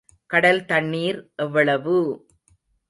கடல் தண்ணீர் எவ்வளவு!